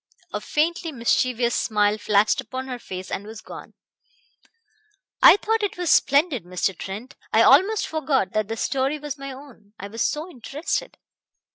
A faintly mischievous smile flashed upon her face and was gone. "I thought it was splendid, Mr. Trent I almost forgot that the story was my own, I was so interested.